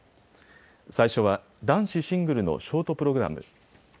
最初は男子シングルのショートプログラム。